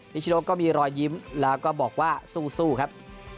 นิชโนก็มีรอยยิ้มแล้วก็บอกว่าสู้ครับ